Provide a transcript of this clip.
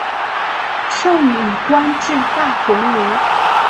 盛允官至大鸿胪。